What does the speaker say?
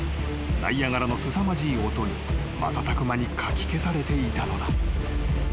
［ナイアガラのすさまじい音に瞬く間にかき消されていたのだ］